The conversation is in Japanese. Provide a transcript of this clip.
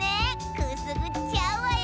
くすぐっちゃうわよ！